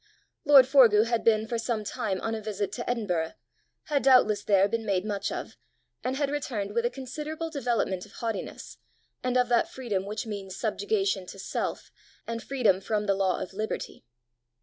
Lord Forgue had been for some time on a visit to Edinburgh, had doubtless there been made much of, and had returned with a considerable development of haughtiness, and of that freedom which means subjugation to self, and freedom from the law of liberty.